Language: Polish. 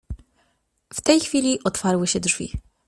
W tej chwili otwarły się drzwi.